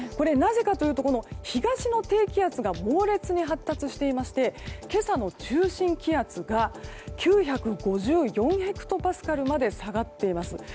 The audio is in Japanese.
なぜかというと、東の低気圧が猛烈に発達していまして今朝の中心気圧が９５４ヘクトパスカルまで下がっています。